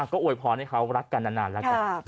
ก็อวยพรให้เขารักกันนานแล้วกัน